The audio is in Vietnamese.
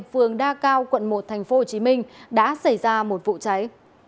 phường đa cao quận một tp hcm đã xảy ra một vụ cháy